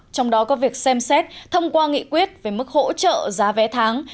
trong đó có việc xem xét thông qua nghị quyết về mức hỗ trợ giá vé tháng